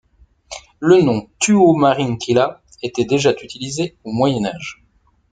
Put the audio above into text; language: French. Le nom Tuomarinkylä était déjà utilisé au Moyen Âge.